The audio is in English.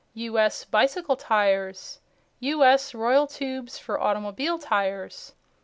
"U.S." Bicycle Tires. "U.S." Royal Tubes for Automobile Tires.